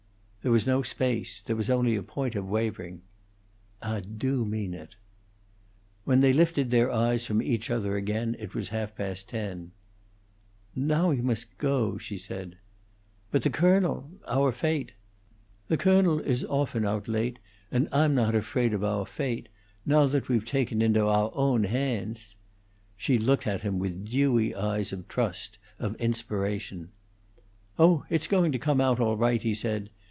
There was no space, there was only a point of wavering. "Ah do mean it." When they lifted their eyes from each other again it was half past ten. "No' you most go," she said. "But the colonel our fate?" "The co'nel is often oat late, and Ah'm not afraid of ouah fate, no' that we've taken it into ouah own hands." She looked at him with dewy eyes of trust, of inspiration. "Oh, it's going to come out all right," he said.